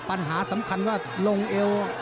ปัญหาสำคัญว่าลงเอว